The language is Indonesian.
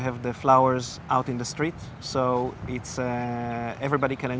dan ide tersebut adalah untuk memiliki bunga di jalanan